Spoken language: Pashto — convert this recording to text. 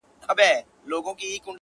یا خوشبویه شي